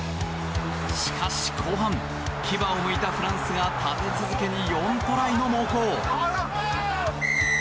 しかし、後半牙をむいたフランスが立て続けに４トライの猛攻。